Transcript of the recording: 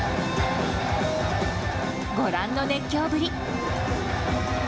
ご覧の熱狂ぶり。